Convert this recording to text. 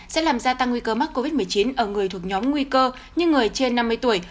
sẽ làm gia tăng nguy cơ mắc covid một mươi chín ở người thuộc nhóm nguy cơ như người trên năm mươi tuổi